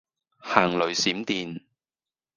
行雷閃電